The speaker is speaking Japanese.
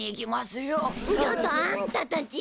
ちょっとあんたたち！